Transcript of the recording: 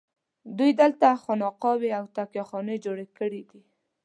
دوی دلته خانقاوې او تکیه خانې جوړې کړي دي.